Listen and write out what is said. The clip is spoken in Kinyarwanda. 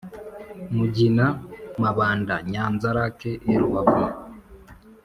Mugina Mabanda Nyanza Lac et Rubavu